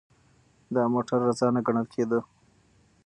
دا موټر ارزانه ګڼل کېده.